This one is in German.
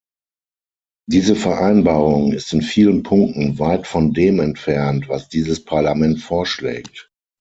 Diese Vereinbarung ist in vielen Punkten weit von dem entfernt, was dieses Parlament vorschlägt.